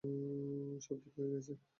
সব ঠিক হয়ে গেছে।